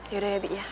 yaudah ya bi ya